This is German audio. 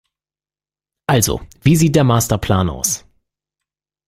Also, wie sieht der Masterplan aus?